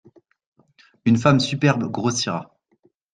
Une femme superbe grossira.